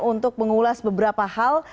untuk mengulas beberapa hal